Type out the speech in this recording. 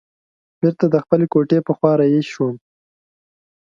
بیرته د خپلې کوټې په خوا رهي شوم.